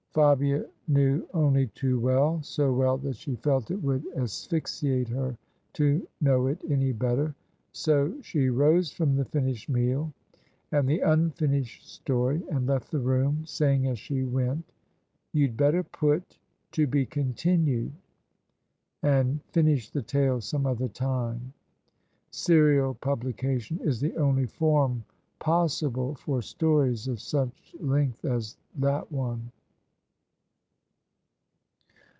Fabia knew only too well — so well that she felt it would asphyxiate her to know it any better: so she rose from the finished meal and the unfinished story, and left the room, saying as she went, " You'd better put * To be continued,' and finish the tale some other time. Serial publication is the only form possible for stories of such length as that one."